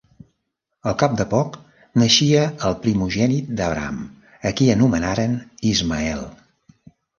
Al cap de poc naixia el primogènit d'Abraham, a qui anomenaren Ismael.